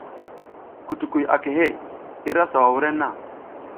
Kutukuy a kehe, i ra sawa wurenna.